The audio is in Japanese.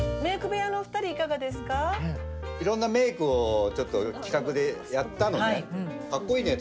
いろんなメークを企画でやったのね。